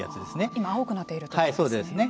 今青くなっているところですね。